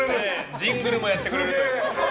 ジングルもやってくれる。